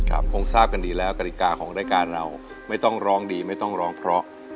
คงทราบกันดีแล้วกฎิกาของรายการเราไม่ต้องร้องดีไม่ต้องร้องเพราะ